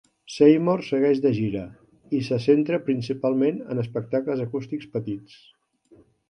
Seymour segueix de gira, i se centra principalment en espectacles acústics petits.